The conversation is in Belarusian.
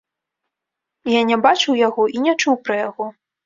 Я не бачыў яго і не чуў пра яго.